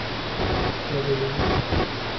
Sir, radio!